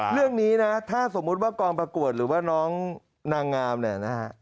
เรื่องนี้นะถ้าสมมุติว่ากองประกวดหรือว่าน้องนางงามเนี่ยนะฮะ